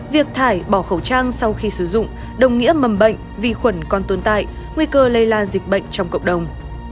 việc thải bỏ khẩu trang sau khi sử dụng đồng nghĩa mầm bệnh vi khuẩn còn tồn tại nguy cơ lây lan dịch bệnh trong cộng đồng